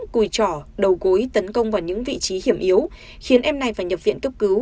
cùi trỏ đầu gối tấn công vào những vị trí hiểm yếu khiến em này phải nhập viện cấp cứu